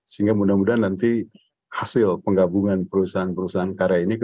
sehingga mudah mudahan nanti hasil penggabungan perusahaan perusahaan karya ini ketika itu